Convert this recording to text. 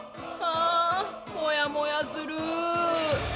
もやもやする。